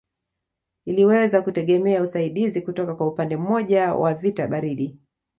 Iliweza kutegemea usaidizi kutoka kwa upande mmoja wa vita baridi